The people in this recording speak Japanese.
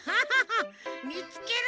みつけるぞ！